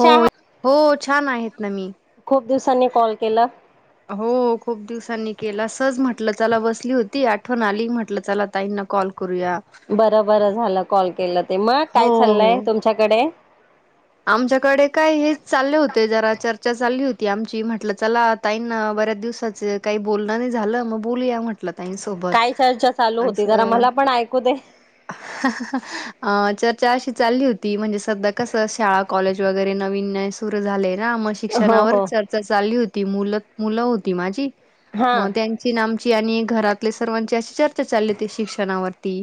हो आहात? हो छान आहेत ना मी खूप दिवसांनी कॉल केला. म्हट चला बसली होती आठवण आली म्हटलं चला ताईं कॉल करूया बरं बरं झालं कॉल केलं ते मग हो काय हो चाललंय तुमच्याकडे आमच्याकडे काय हेच चालले होते जरा, चर्चा चालली होती आमची म्हटलं चला ताईंना बऱ्या दिवसाचं काही बोलणं नही झालं मग बोलुया म्हटलं. ताईंन सोबत काय चर्चा चालू होती जरा असं मला पण ऐकू दे. [unintelligible] अ चर्चा अशी चालली होती, म्हणजे सध्या कसं शाळा कॉलेज वगैरे नवीन न सुरू झाले. हा म हो शिक्षणावर हो चर्चा चालली होती मुलं मुलं होती माझी हा मग त्यांची न आमच यांनी घरातले सर्वांची अशी चर्चा चालली होती शिक्षणावरती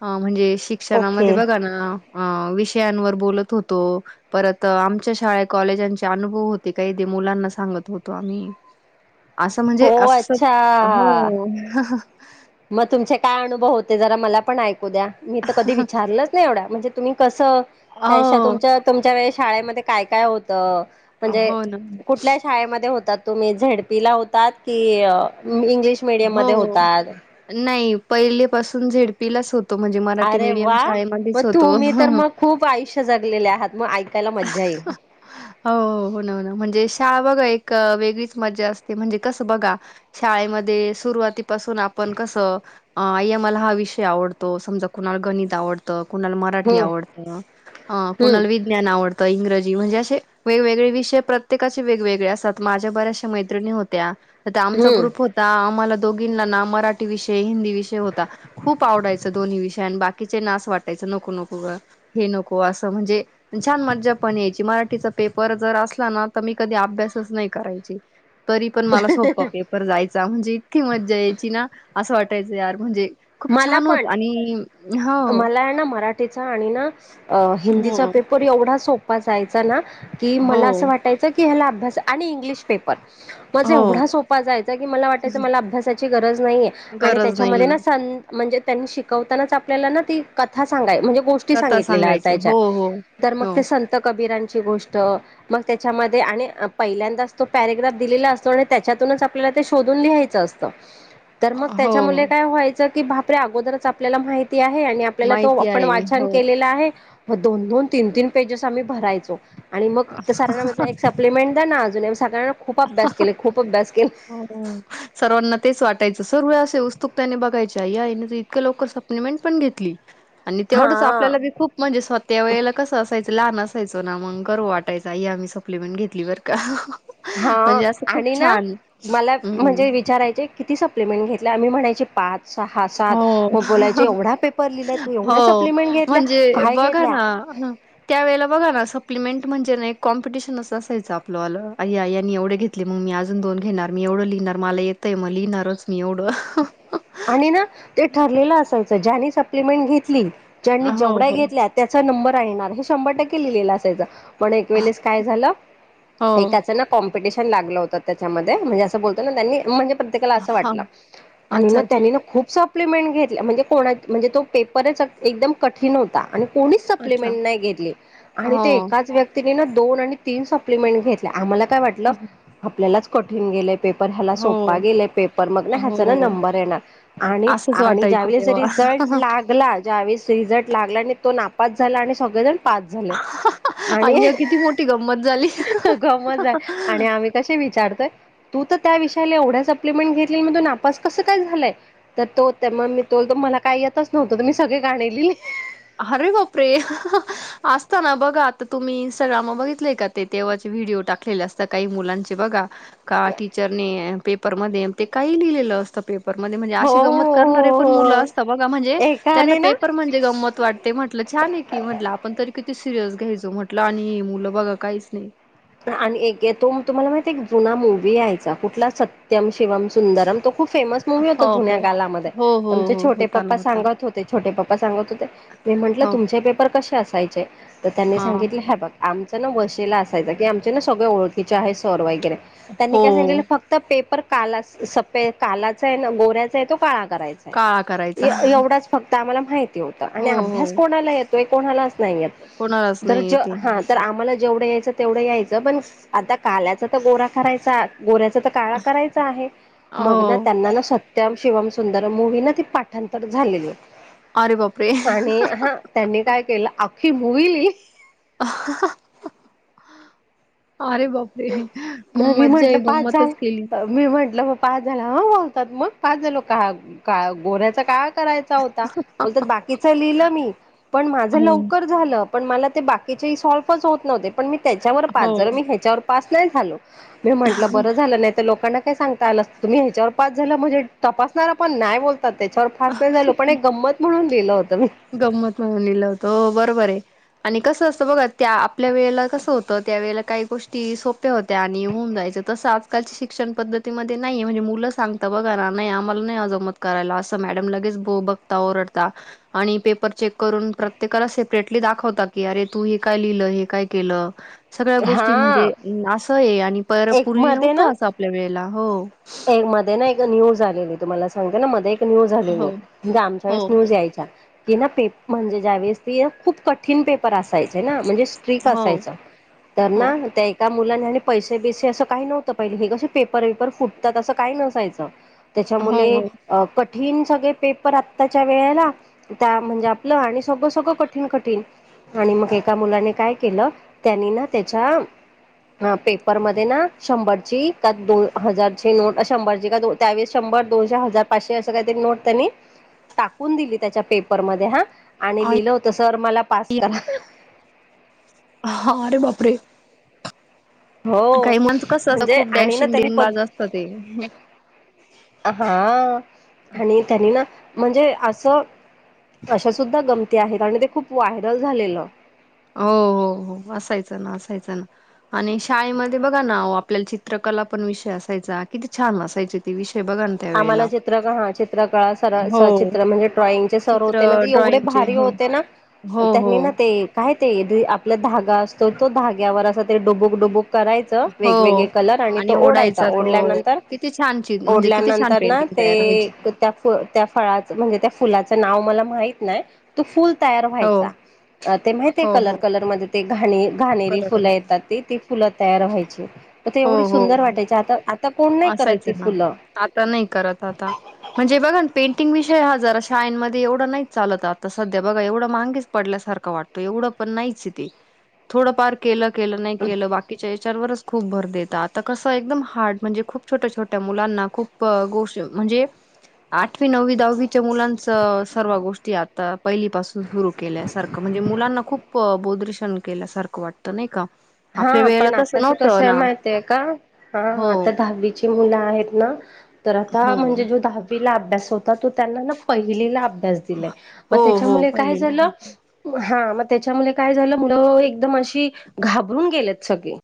अ म्हणजे ओके शिक्षणामध्ये बघा ना अ विषयांवर बोलत होत. तो परत आमच्या शाळे कॉलेजांचे अनुभव होते काही ते मुलांना सांगत होतो आम्ही [inaudible] असं हो म्हणजे असं अच्छा. हो मग तुमचे काय अनुभव होते जरा मला पण ऐकू द्या मी तर कधी विचारलंच नाही एवढ्या म्हणजे तुम्ही कस स काहीशा हो तुमच्या तुमच्या वेळे शाळेमध्ये काय काय होतं. म्हणजे हो ना कुठल्या शाळेमध्ये होतात तुम्ही झेडपीला होतात की अ इंग्लिश मीडियम मध्ये हो होतात. नाही पहिले पाासून झेडपीलाच होत. तो म्हणजे मराठी अरे मीडियम वा शाळेमध्येच मग होतो. तुम्ही तर मग खूप आयुष्य जगलेले आहात मग ऐकायला मज्जा येईल [unintelligible] हो हो होना होना म्हणजे शाळा बघा एक. क वेगळीच मजा असते म्हणजे कसं बघा शाळेमध्ये सुरुवातीपासून आपण कसं. अ आय मला हा विषय आवडतो समजा कुणा गणित आवडतं. कुणाला मराठी हम्म आवडतं अ हम्म कुणाला विज्ञान आवडतं. इंग्रजी म्हणजे अशे वेगवेगळे विषय प्रत्येकाचे वेगवेगळे असतात माझ्या बऱ्याचशा मैत्रिणी होत्या. त आमचा हम्म ग्रुप होता आम्हाला दोघींना ना मराठी विषय हिंदी विषय होता खूप आवडायच दोन्ही विषय अन् बाकीचे ना असं वाटायचं. नको नको ग हे नको असं म्हणजे [inaudible] छान मज्जा पण यायची मराठीचा पेपर जर असला ना तर मी कधी अभ्यासच नाही करायची. तरी पण मला सोपं पेपर जायचा म्हणजे इतकी मज्जा यायची ना असं वाटायचं यार म्हणजे खूप मला छान पण होतं आणि हो. तेचा आणि ना अ हिंदीचा हो पेपर एवढा सोपा जायचा ना. कि हो मला असं वाटायचं कि ह्याला अभ्यास आणि इंग्लिश पेपर माझा हो एवढा सोपा जायचा की मला वाटायचं मला अभ्यासाची गरज नाहीये आणि गरज त्याच्यामध्ये नाहीये ना. सं म्हणजे त्यांनी शिकवतानाच आपल्याला ना ती कथा सांगाय. म्हणजे गोष्टी कथा सांगितलेल्या सांगायची असायच्या हो हो तर मग हो ते संत कबीरान ची गोष्ट मग त्याच्यामध्ये आणि पहिल्यांदाच तो पॅराग्राफ दिलेला असतो नी त्याच्यातूनच आपल्याला ते शोधून लिहायचं असत. तर मग हो त्याच्यामुले काय व्हायचं की भापरे अगोदरच आपल्याला माहित ती आहे आणि आपल्याला तो माहिती आपण आहे वाचन हो केलेला आहे. मग दोन दोन तीन तीन पेजेस आम्ही भरायचो आणि मग ते सरांना माझ एक सप्लिमेंट द्याना अजून एम्स [inaudible] सर्वांना तेच वाटायचं सर्व असे उस. फुक्तानी बघायच्या या इन् इतकं लवकर सप्लिमेंट पण घेतली. आणि तेवढंच हा आपल्याला भी खूप म्हणजे स्व ते वेळेला कसं असायचं. लहान असायचो ना मग गर्व वाटायचा हे आम्ही सप्लिमेंट घेतली बर का. हा म्हणजे असं खूप आणि ना छान मला हम्म. म्हणजे विचारायचे किती सप प्लीमेंट घेतल्या मी म्हणायची पाच सहा सात हो. मग बोलायचे एवढा पेपर लिहिला तू हो एवढ्या सप्लिमेंट घेतल्या म्हणजे काय बघा घेतल्या. ना हं ना त्यावेेळेला बघा ना सप्लिमेंट म्हणजे न एक कॉम्पिटिशनव च असायचं आपलंवालं आई ह्या यांनी एवढे घेतले मग मी अजून दोन घेणार मी एवढ लिन णार माल येतयं म लिहिणारचं मी एवढं. आणि ना ते ठरलेलं असायचं ज्यानी सप्लिमेंट घेतली. ज्यांनी हो जेवढ्या हो. घेतल्या त्याचा नंबर आणणार हे शंभर टक्के लिहिलेला असायचा. पण एक वेळेस काय झालं हो, एकाच ना [unintelligible] [unintelligible] लागलं होत त्याच्यामध्ये म्हणजे अस [unintelligible] ना त्यांनी म्हणजे प्रत्येकाला असं हां, वाटलं. अच्छा, अच्छा, त्यांनी ना खूप सप्लिमेंट घेतल्या म्हणजे कोणा म्हणजे तो पेपरच एकदम कठीण होता आणि कोणीच अच्छा. सप्लिमेंट नाही घेतली आणि त्या हो, एकाच [inaudible] [inaudible] दोन आणि तीन सप्लमेंट घेतल्या आम्हाला काय वाटलं आपल्यालाच कठीण गेलंय. पेपर ह्याला सोप्पा हो, गेलाय पेपर मग ना ह्याचा ना हो. नंबर येणार. आणि असंच आणि वाटायचं ज्यावेळेस तेव्हा. रिझल्ट लागला ज्यावेळेस रिझल्ट लागला आणि तो नापात झाला आणि सगळेजण पाच झाले आणि [unintelligible] अय्या! किती मोठी गंमत झाली. [unintelligible] आहे आणि आम्ही कसे विचारतोय. तू तर त्या विषयाला एवढ्या सप्लिमेंट घेतली मग तू नापास कसं काय झालंय. तर तो त्या [unintelligible] मला काय येतच नव्हतं मी सगळी गाणे लिहिले [unintelligible] अरे बापरे हा हा हा असता ना बघा आता तुम्ही इंस्टाग्रामवर बघितलेय का ते तेव्हाचे व्हिडिओ टाकलेले असत काही मुलांचे बघा का टीचरने पेपरमध्येध्ये ते काही लिहिलेलं. असता पेपर मध्ये म्हणजे हो अशे गमंत हो करणारे पण हो मुलं हो असता बघा म्हणजे ज्यांना एकाने ना पेपर म्हणजे गमंत वाटते म्हटलं छान आहे की म्हटलं आपण तरी किती [inaudible] सिरियस घ्यायचो म्हटलं आणि ही मुलं बघा काहीच नाही. आणि एक तो तुम्हाला माहित आहे एक जुना मूवी यायचा कुठला सत्यम शिवम सुंदरम तो खूप फेमस मुव्ही होता हो, जुन्या हो. कालामध्ये हो, हो, आमचे हो. छोटे होताना, पप्पा होताना. सांगत होते छोटे पप्पा सांगत होते, मी म्हंटलं हो. तुमचे पेपर कशे असायचे तर त्यांनी अ, सांगितले हे बघ आमचं ना वशीला असायच. ते आमचे न सगळे ओळखीचे आहे सर वैगेरे त्यांनी काय सांगितलेलं हो. फक्त पेपर काला [unintelligible] [unintelligible] कालाच आहे ना गोऱ्याचा आहे तो काळा करायचा काळा करायचा. आहे एवढाच फक्त आम्हाला माहिती होतं हो, आणि अभ्यास हो. कोणाला येतोय कोणाला नाही कोणालाच येत तर नाही येते. [unintelligible] हा तर आम्हाला जेवढं यायच. तेवढं यायचं पण आता काल्याचा तर गोरा करायचा गोऱ्या [inaudible] काळा करायचा आहे मग ना हो. त्यांना ना [inaudible] [inaudible] शिवम सुंदर मूवी् ना ती पाठांतर झालेली अरे बापरे! [inaudible] आणि हा त्यांनी काय केलं आखी मुूवी लि [unintelligible] [unintelligible] अरे बापरे! [inaudible] नाही मी मज्जा म्हंटलं आहे, पाच [inaudible] झाल गंमतच केली. मी म्हंटलं [unintelligible] [unintelligible] [unintelligible] करायचा होता [unintelligible] बाकीच लिहिलं मी पण माझ हो, लवकर झालं. पण मला ते बाकीचे सॉल्फच होत नव्हते पण मी त्याच्यावर पास हो. जरा मी ह्याच्यावर पास नाही झालो. मी म्हंटलं बरं झालं नाही तर लोकांना, काय सांगता आलं तुम्ही ह्याच्यावर पास झाला म्हणजे तपासणार पण नाही बोल [inaudible] त्याच्यावर फास्ट नाही झालो पण एक गंमत म्हून दिलं होत. गंमत म्हणून निल होत ओ बरोबर हे आणि कसं असतं बघा त्या आपल्या वेळेला कसं होतं त्या वेळेला काही गोष्टी सोप्या होत्या आणि होऊन जायच. तस आजकालच्या शिक्षण पद्धतीमध्ये नाहीये म्हणजे मुलं सांगता बघा ना नाही आम्हाला नाही [unintelligible] करायला असं मॅडम लगेच [unintelligible] बघता ओरडता. आणि पेपर चेक करून प्रत्येकाला सेपरेटली दाखवता की अरे तू हे काय लिहिलं हे काय केलं. सगळ्या गोष्टी हा म्हणजे [unintelligible] असं आहे आणि पर एक पूर्वी मध्ये नव्हत ना असं आपल्या वेळेला हो नाही ग न्यूज आलेली तुम्हाला सांगते ना मध्ये एक न्यूज आलेली हो म्हणजे आमच्या हो वेळेस न्यूज यायच्या. [unintelligible] म्हणजे ज्या वळेस [unintelligible] खूप कठीण पेपर असायचे ना म्हणजे स्ट्रिक हो असायचं तर हो ना त्या एका मुलाने आणि [unintelligible] [unintelligible] हे कसं पेपर बिपर फुटतात असं काही नसायचं. हो त्याच्यामुले हो [unintelligible] कठीण सगळे पेपर आत्ताच्या वेळेला त्या म्हणजे आपलं आणि सगळं सगळं कठीण कठीण आणि मग एका मुलाने काय केलं त्यांनी ना त्याच्या पे म शंभरची [unintelligible] दोन हजारची नोट शंभर का त्यावे शंभर दोनशे हजार पाचशे अस नोट त्यांनी टाकून दिली त्याच्या पेपरमध्ये हा आणि लिहिलं होत सर मला पास करा. हो अरे बापरे हो काही मुलांच कसं असतं म्हणजे खूप आणि ना डॅशिंग त्यांनी प डिंगबाज असतं ते. हा आणि त्यांनी ना म्हणजे असं अशा सुद्धा गमती आहेत आणि ते खूप व्हायरल झालेलं. हो, हो हो असायचं ना असायचं ना आणि शाळेमध्ये बघा ना आपल्याला चित्रकला पण विषयात, असाय किती छान असायचे ते विषय, बघा ना आम्हाला त्यावेेळेला. चित्र हा चित्रक सर हो. चित्र म्हणजे ड्रॉइंगचे सर चित्र होते ना ते ड्रॉइंगचे एवढे, हो होते ना हो त्यांनी हो ना ते का, ते आपला धागा असतो तो धाग्यावर असा त डोबोक डोबोक करायच वेगवेगळे कलर आणि तो ओढायचा ओढल्यानंतर किती छान चि ओ म्हणजे किती छान त्यानंतर ना पेंटिंग ते तयार व्हायची. त्या फ त्या फळाच म्हणजे त्या फुलाच नाव मला माहीत नाही तयार हो व्हायचा ते माहिते हो कलर हो कलर मध्ये ते घाणे घाणेरी कलर फुलं कलर येतात ते ती फुलं तयार व्हायची तर ते हो एवढी हो सुंदर हो. वाटायची आता आता कोण नाही करत ती फुलं आण [inaudible] शे हजार शान मध्ये एवढं नाही चालत आता सध्या बघा एवढं महागेच पडल्यासारखं वाटतो एवढं पण नाही थड के नाही के बा खूप भर देत आता कसं एकदम हार्ड म्हणजे खूप छोट्या छोट्या मुलांना खूप गोष्ट म्हणजे आठवी नववी दहावीच्या मुलांच सर्व गोष्टी आ पहिलीपासून सुरू केल्यासारखं म्हणजे मुलांना खूप बोदरेशन केल्यासारखं वाटतं नाही का आपल्या वेळेला तस नव माय का ह आता दहावीची मुलं आहेत ना तर आता हो. म्हणजे जो दहावी अभ्यास हो त त्यांना पहिलाभ [inaudible] हो हो पहिलीला भेटले. त्याच्यामुळे काय झालं मुलं एकदम अशी घाबरून गेलेत सगळे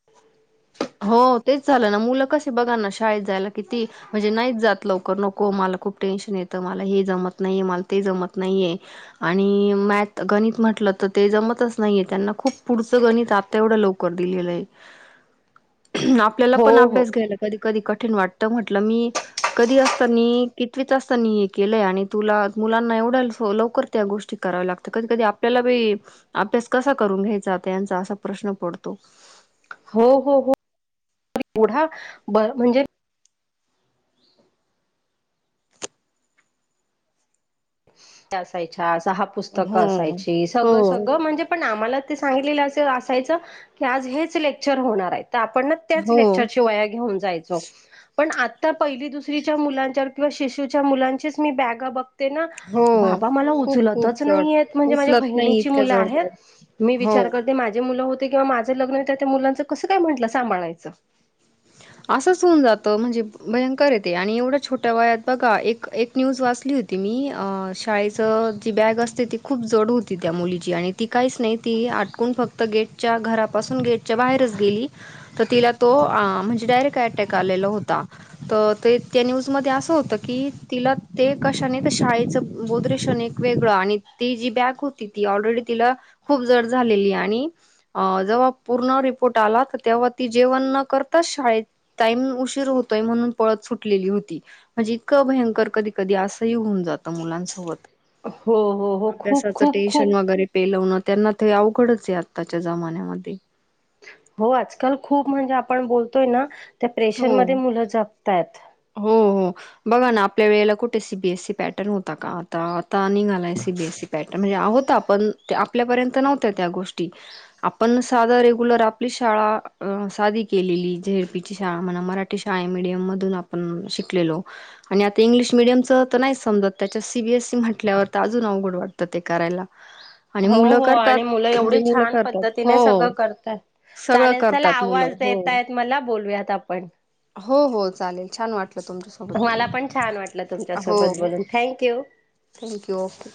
हो तेच झालं ना मुलं कसे बघा ना शाळेत जायला कि ती म्हणजे नाहीच जात लवकर नको मला खूप टेन्शन येत. मला हे जमत नाही म ते जमत नाहीये आणि म गणित म्हंटलं तर ते नाही त्यांना खूप पुढचं गणित आता एवढं लवकर दिलेलं आहे आपल्याला हो पण हो अभ्यास घ्यायला कधी कधी क वाट म्हट मी कधी असताना कितच असताना हे केलंय आणि तु मुलांना वढ लवकर त्या गोष्टी कराव्या लागत कधी कधी आपल्याला अभ्यास कसा करून घ्यायचाचा असा प्रश्न पडतो हो हो हो एवढा ब म्हणजे असायच्या सहा पुस्तकं हं, असायची सगळं हो, सगळं म्हणजे पण आम्हाला ते सांगितलेलं अस असायच की आज हेच लेक्चर होणार आहेत आपण त्याच हो, लेक्चरची वया घेऊन जायचो पण आता पहिली दुसरी मुच्या किंवा शिशूच्या मुलांचीच मी बॅगा बघते ना हो. बाबा म खूप खूप उचलतच जड. नाही म्हणजे माझ्या उचलत नाही बहिणीची इतक्या मुलं जड बॅग. आहेत मी हो. विचार कर माझे मु होते किंवा माझं लग्न होत त्या मुलांच कसं काय म्हटलं सांभाळायचं असंच होऊन जात म्हणजे भयंकर येते आणि एवढ्या छोट्या वयात बघा एक एक न्यूज वाचली मी शाळेच जी बॅग असते ती खूप जड होती त्या मुलीची आणि ती काहीच नाही ती फक्त गट घ ग बाहेर गे तिला तो अ त क शाे वे त जी ब होती त ऑलरेडी ति पर््हा जेव उशी होतय म्हण पत सुटली होती म्हणजे इतकं भ कधी कधी होऊन जात मुलांसोबत हो हो हो खूप अभ्यासाच खूप खूप टेन्शन वगैरे पेलव त्यांना ते अवघडच आहे आत्ताच्या जमान्यामध्ये हो आजकाल खूप म्हणजे आपण बोलतोय ना त्या प्रेशरमध्ये हो. मुलं जगतायत हो हो बघा ना आपल्या वेळेला कुठे सीबीएस सी पॅटर्न होता का आता आता निघालाय सीबीएस सी पॅटर्न म्हणजे आहोत आपण आपल्यापर्यंत नव्हत्या त्या गोष्टी आपण साध रेग्युलर आपली शाळा अ सादी केलेली झेर पी शाळा म्हणा मराठी शाळा मिडीयम मधून आपण शिकलेलोआणि आता इंग्लिश मिडीयमच तर नाहीच समजा त्याच्या सीबीएसई म्हटल्यावर तर अजून अवघड वाटतं ते करायला आणि हो मुलं हो करतात आणि मुलं म्हणजे एवढी मुलं छान करतात पद्धतीने सगळं हो करतात सगळं चालेल चला करतात मुलं आवाज द हो देतायत मला बोलूयात आपण हो हो चालेल छान वाटलं तुमच्यासोबत मला पण छान वाटलं बोलून हो तुमच्यासोबत बोलून थँक्यू. Thank you okay